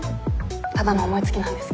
ただの思いつきなんですけど。